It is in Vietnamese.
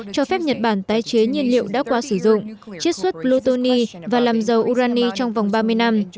cho phép nhật bản tái chế nhiên liệu đã qua sử dụng chiết xuất plutoni và làm dầu urani trong vòng ba mươi năm